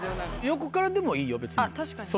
横からでもいいよ別に。